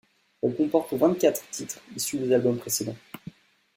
Elle comporte vingt-quatre titres issus des albums précédents.